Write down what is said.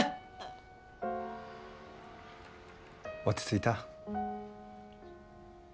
落ち着いた？